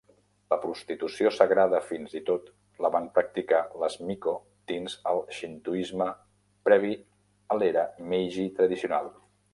La prostitució sagrada fins i tot la van practicar les miko dins del xintoisme previ a l'era Meiji tradicional.